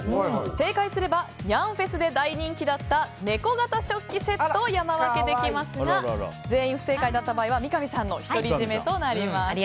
正解すればニャンフェスで大人気だった猫型食器セットを山分けできますが全員不正解だった場合は三上さんの独り占めとなります。